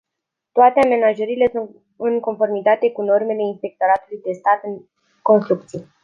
Toate amenajările sunt în conformitate cu normele inspectoratului de stat în construcții.